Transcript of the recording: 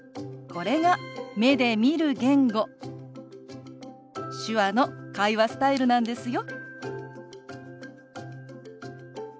これが目で見る言語手話の会話スタイルなんですよ。